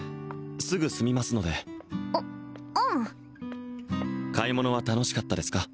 すぐ済みますのでううん買い物は楽しかったですか？